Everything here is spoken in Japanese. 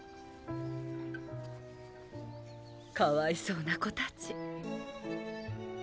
かわいそうな子たち。